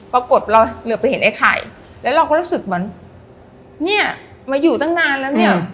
ปรากฏเราเหลือไปเห็นไอ้ไข่แล้วเราก็รู้สึกเหมือนเนี่ยมาอยู่ตั้งนานแล้วเนี่ย